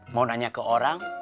mau nanya ke orang